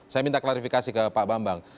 saya minta klarifikasi ke pak bambang